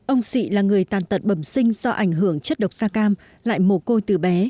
ông sị là người tàn tận bầm sinh do ảnh hưởng chất độc sa cam lại mổ côi từ bé